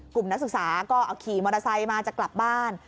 นักศึกษาก็เอาขี่มอเตอร์ไซค์มาจะกลับบ้าน